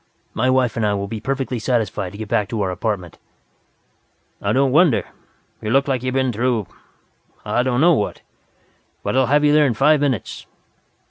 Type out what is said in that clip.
My wife and I will be perfectly satisfied to get back to our apartment." "I don't wonder. You look like you've been through I don't know what. But I'll have you there in five minutes.